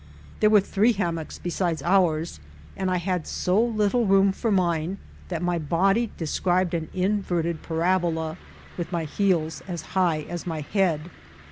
There were three hammocks besides ours, and I had so little room for mine that my body described an inverted parabola, with my heels as high as my head.